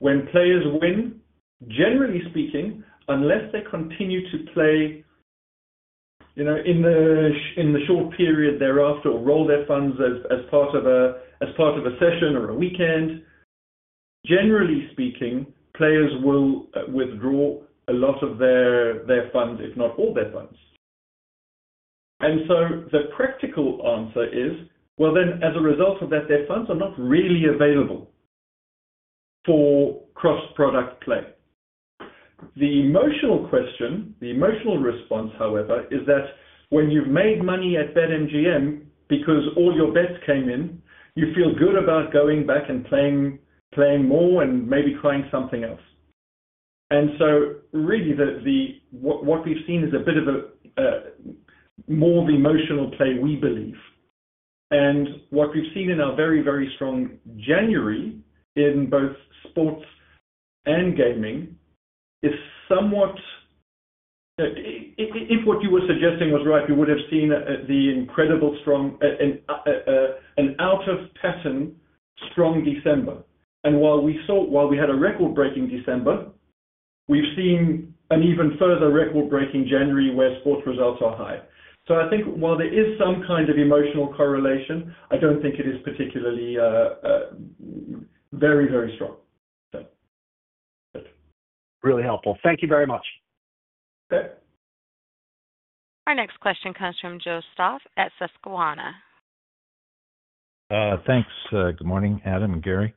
S2: when players win, generally speaking, unless they continue to play in the short period thereafter or roll their funds as part of a session or a weekend, generally speaking, players will withdraw a lot of their funds, if not all their funds, and so the practical answer is, well, then as a result of that, their funds are not really available for cross-product play. The emotional question, the emotional response, however, is that when you've made money at BetMGM because all your bets came in, you feel good about going back and playing more and maybe trying something else, and so really, what we've seen is a bit more of the emotional play we believe. What we've seen in our very, very strong January in both sports and gaming is somewhat, if what you were suggesting was right, we would have seen the incredible strong and out-of-pattern strong December. And while we had a record-breaking December, we've seen an even further record-breaking January where sports results are high. So I think while there is some kind of emotional correlation, I don't think it is particularly very, very strong.
S8: Really helpful. Thank you very much.
S2: Okay.
S1: Our next question comes from Joe Stauff at Susquehanna.
S9: Thanks. Good morning, Adam and Gary.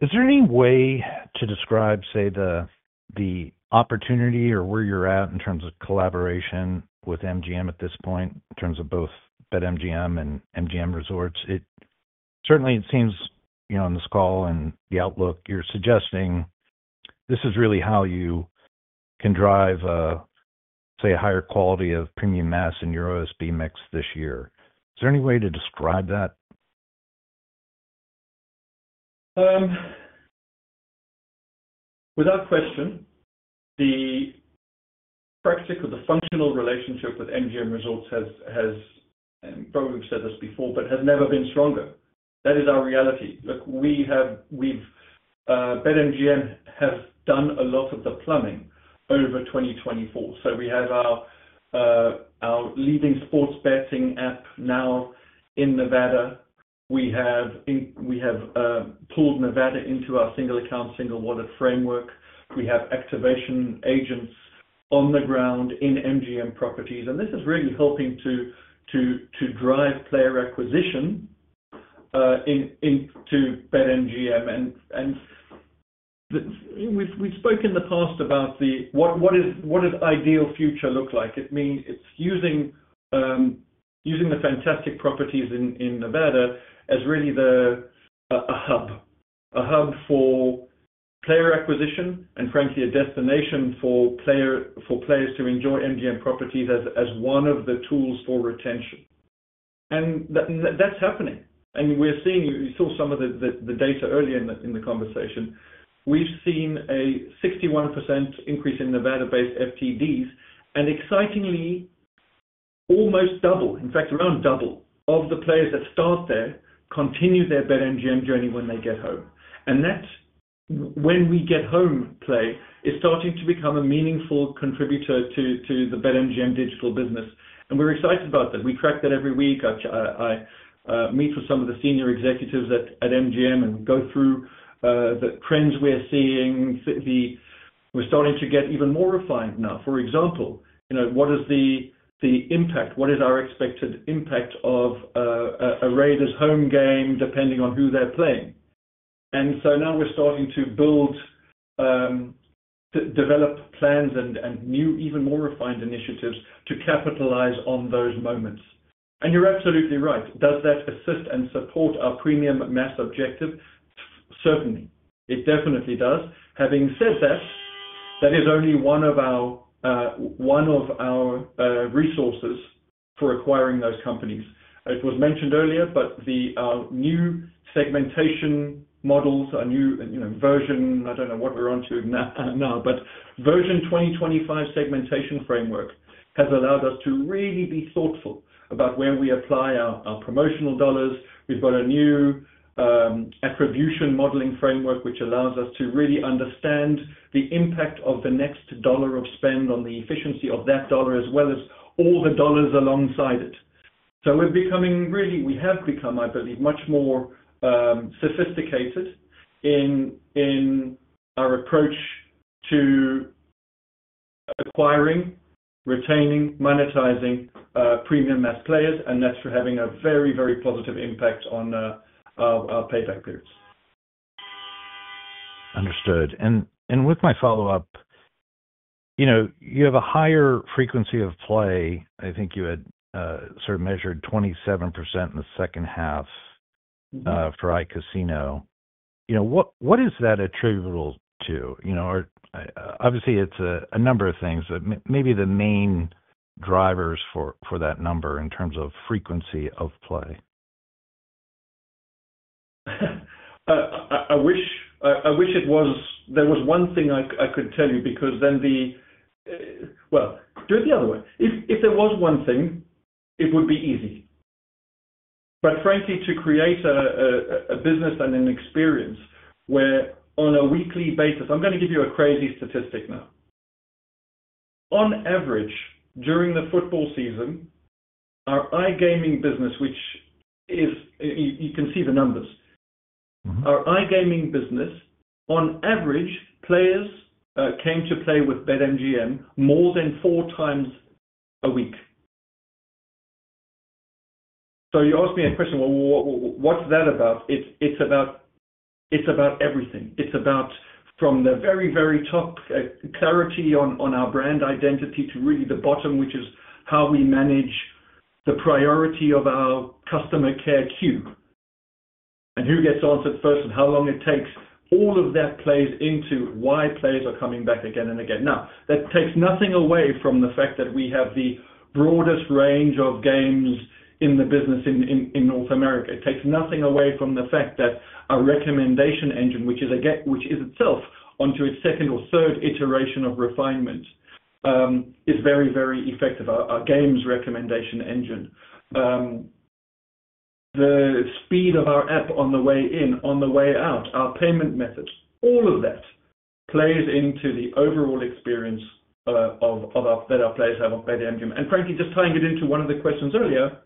S9: Is there any way to describe, say, the opportunity or where you're at in terms of collaboration with MGM at this point, in terms of both BetMGM and MGM Resorts? Certainly, it seems on this call and the outlook you're suggesting, this is really how you can drive, say, a higher quality of premium mass in your OSB mix this year. Is there any way to describe that?
S2: Without question, the practical, the functional relationship with MGM Resorts has, and probably we've said this before, but has never been stronger. That is our reality. Look, we've BetMGM has done a lot of the plumbing over 2024. So we have our leading sports betting app now in Nevada. We have pulled Nevada into our single-account, single-wallet framework. We have activation agents on the ground in MGM properties. And this is really helping to drive player acquisition into BetMGM. And we've spoken in the past about what does ideal future look like. It's using the fantastic properties in Nevada as really a hub for player acquisition and, frankly, a destination for players to enjoy MGM properties as one of the tools for retention. And that's happening. And we're seeing you saw some of the data earlier in the conversation. We've seen a 61% increase in Nevada-based FTDs, and excitingly, almost double, in fact, around double of the players that start there continue their BetMGM journey when they get home. And that, when we get home play, is starting to become a meaningful contributor to the BetMGM digital business. And we're excited about that. We track that every week. I meet with some of the senior executives at MGM and go through the trends we're seeing. We're starting to get even more refined now. For example, what is the impact? What is our expected impact of a Raiders home game depending on who they're playing? So now we're starting to develop plans and new, even more refined initiatives to capitalize on those moments. You're absolutely right. Does that assist and support our premium mass objective? Certainly. It definitely does. Having said that, that is only one of our resources for acquiring those companies. It was mentioned earlier, but the new segmentation models, a new version, I don't know what we're on to now, but version 2025 segmentation framework has allowed us to really be thoughtful about where we apply our promotional dollars. We've got a new attribution modeling framework which allows us to really understand the impact of the next dollar of spend on the efficiency of that dollar, as well as all the dollars alongside it. We're becoming really; we have become, I believe, much more sophisticated in our approach to acquiring, retaining, monetizing premium mass players. And that's having a very, very positive impact on our payback periods.
S9: Understood. And with my follow-up, you have a higher frequency of play. I think you had sort of measured 27% in the second half for iCasino. What is that attributable to? Obviously, it's a number of things, but maybe the main drivers for that number in terms of frequency of play.
S2: I wish there was one thing I could tell you because then, well, do it the other way. If there was one thing, it would be easy. But frankly, to create a business and an experience where on a weekly basis, I'm going to give you a crazy statistic now. On average, during the football season, our iGaming business, which you can see the numbers, our iGaming business, on average, players came to play with BetMGM more than four times a week. You asked me a question, "Well, what's that about?" It's about everything. It's about from the very, very top clarity on our brand identity to really the bottom, which is how we manage the priority of our customer care queue. And who gets answered first and how long it takes, all of that plays into why players are coming back again and again. Now, that takes nothing away from the fact that we have the broadest range of games in the business in North America. It takes nothing away from the fact that our recommendation engine, which is itself onto its second or third iteration of refinement, is very, very effective, our games recommendation engine. The speed of our app on the way in, on the way out, our payment methods, all of that plays into the overall experience that our players have on BetMGM. And frankly, just tying it into one of the questions earlier,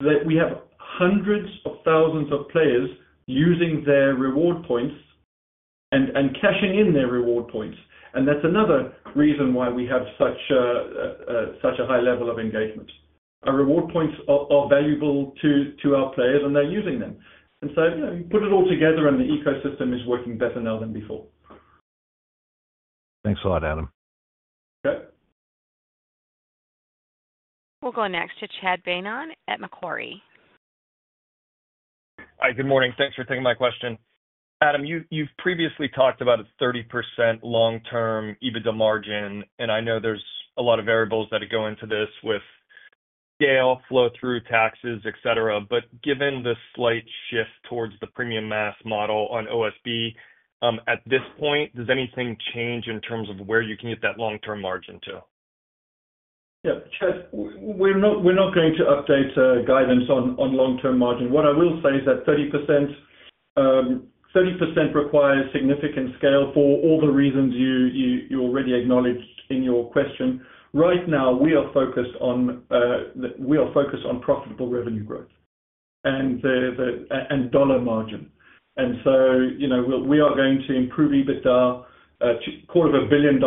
S2: that we have hundreds of thousands of players using their reward points and cashing in their reward points. And that's another reason why we have such a high level of engagement. Our reward points are valuable to our players, and they're using them. And so you put it all together, and the ecosystem is working better now than before.
S9: Thanks a lot, Adam.
S2: Okay.
S1: We'll go next to Chad Beynon at Macquarie.
S10: Hi, good morning. Thanks for taking my question. Adam, you've previously talked about a 30% long-term EBITDA margin, and I know there's a lot of variables that go into this with scale, flow-through, taxes, et cetera. But given the slight shift towards the premium mass model on OSB at this point, does anything change in terms of where you can get that long-term margin to?
S2: Yeah. Chad, we're not going to update guidance on long-term margin. What I will say is that 30% requires significant scale for all the reasons you already acknowledged in your question. Right now, we are focused on profitable revenue growth and dollar margin. And so we are going to improve EBITDA to $250 million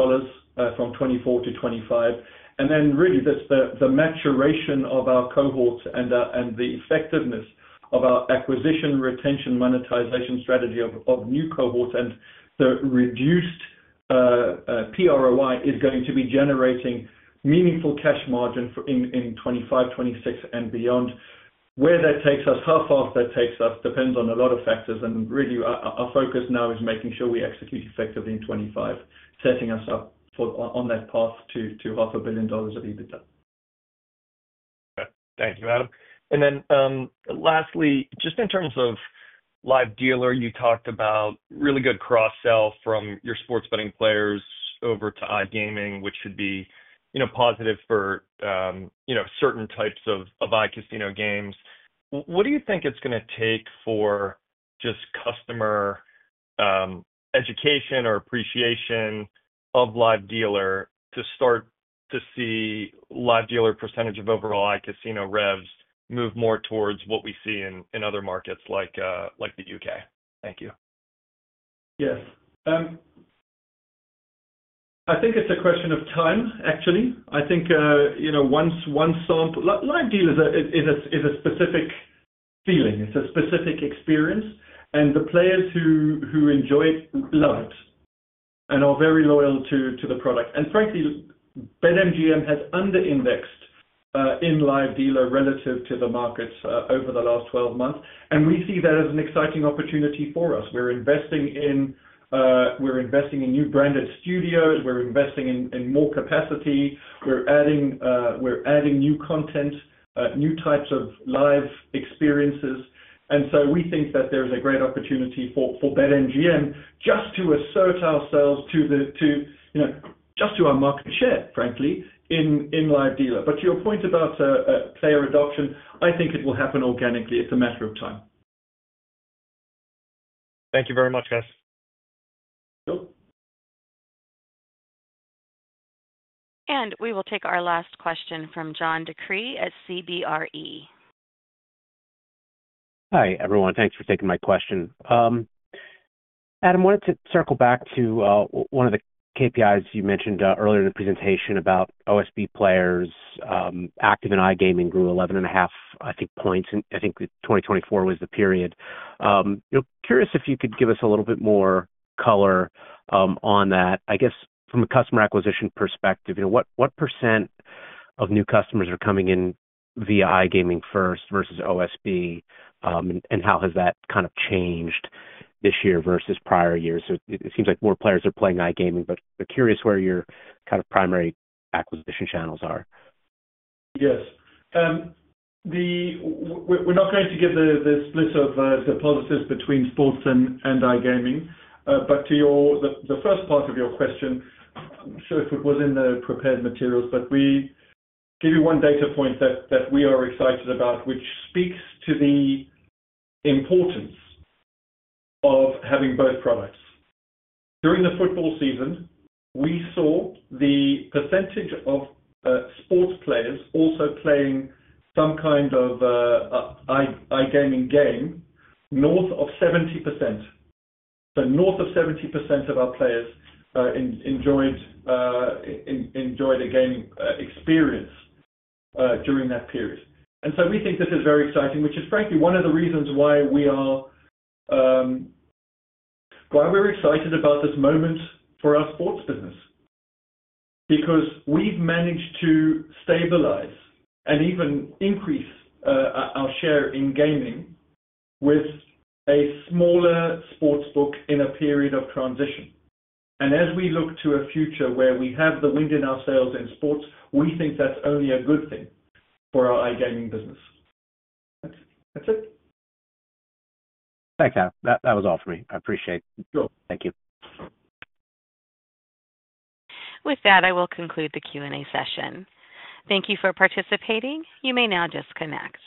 S2: from 2024-2025. And then really, the maturation of our cohorts and the effectiveness of our acquisition, retention, monetization strategy of new cohorts and the reduced ROI is going to be generating meaningful cash margin in 2025, 2026, and beyond. Where that takes us, how far that takes us, depends on a lot of factors. Really, our focus now is making sure we execute effectively in 2025, setting us up on that path to $500 million of EBITDA.
S10: Okay. Thank you, Adam. Then lastly, just in terms of live dealer, you talked about really good cross-sell from your sports betting players over to iGaming, which should be positive for certain types of iCasino games. What do you think it's going to take for just customer education or appreciation of live dealer to start to see live dealer percentage of overall iCasino revs move more towards what we see in other markets like the U.K.? Thank you.
S2: Yes. I think it's a question of time, actually. I think one sample. Live dealers is a specific feeling. It's a specific experience. And the players who enjoy it love it and are very loyal to the product. And frankly, BetMGM has under-indexed in live dealer relative to the markets over the last 12 months. And we see that as an exciting opportunity for us. We're investing in new branded studios. We're investing in more capacity. We're adding new content, new types of live experiences. And so we think that there's a great opportunity for BetMGM just to assert ourselves to just to our market share, frankly, in live dealer. But to your point about player adoption, I think it will happen organically. It's a matter of time.
S10: Thank you very much, guys.
S2: Cool.
S1: And we will take our last question from John DeCree at CBRE.
S11: Hi, everyone. Thanks for taking my question. Adam, I wanted to circle back to one of the KPIs you mentioned earlier in the presentation about OSB players active in iGaming grew 11.5 points, I think. I think 2024 was the period. Curious if you could give us a little bit more color on that. I guess from a customer acquisition perspective, what % of new customers are coming in via iGaming first versus OSB? And how has that kind of changed this year versus prior years? It seems like more players are playing iGaming, but curious where your kind of primary acquisition channels are.
S2: Yes. We're not going to give the split of the positives between sports and iGaming. But to the first part of your question, I'm sure if it was in the prepared materials, but we give you one data point that we are excited about, which speaks to the importance of having both products. During the football season, we saw the percentage of sports players also playing some kind of iGaming game north of 70%. So north of 70% of our players enjoyed a game experience during that period. And so we think this is very exciting, which is frankly one of the reasons why we are excited about this moment for our sports business. Because we've managed to stabilize and even increase our share in gaming with a smaller sports book in a period of transition. And as we look to a future where we have the wind in our sails in sports, we think that's only a good thing for our iGaming business. That's it.
S11: Thanks, Adam. That was all for me. I appreciate it. Thank you.
S1: With that, I will conclude the Q&A session. Thank you for participating. You may now disconnect.